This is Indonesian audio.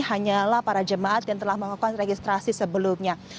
hanyalah para jemaat yang telah melakukan registrasi sebelumnya